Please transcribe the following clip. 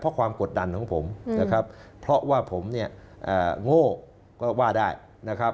เพราะความกดดันของผมนะครับเพราะว่าผมเนี่ยโง่ก็ว่าได้นะครับ